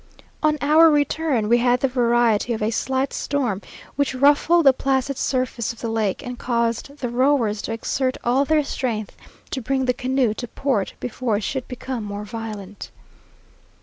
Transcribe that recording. On our return, we had the variety of a slight storm, which ruffled the placid surface of the lake, and caused the rowers to exert all their strength to bring the canoe to port before it should become more violent.